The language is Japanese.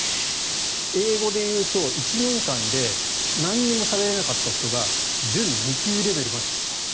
英語で言うと、１年間で何もしゃべれなかった人が準２級レベルまで行ったと。